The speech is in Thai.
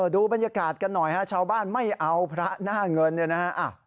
ดูบรรยากาศกันหน่อยฮะชาวบ้านไม่เอาพระหน้าเงินเนี่ยนะฮะ